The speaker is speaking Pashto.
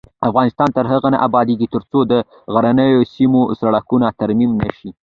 افغانستان تر هغو نه ابادیږي، ترڅو د غرنیو سیمو سړکونه ترمیم نشي.